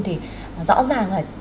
thì rõ ràng là